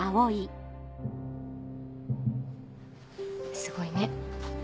すごいね。